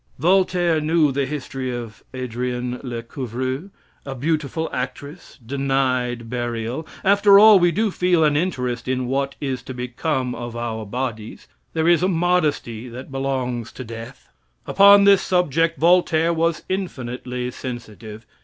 Voltaire knew the history of Adrienne Le Couvreur, a beautiful actress, denied burial. After all, we do feel an interest in what is to become of our bodies. There is a modesty that belongs to death. Upon this subject Voltaire was infinitely sensitive.